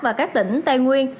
và các tỉnh tây nguyên